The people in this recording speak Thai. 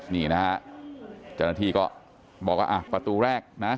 นี่นะฮะเจ้าหน้าที่ก็บอกว่าอ่ะประตูแรกนะ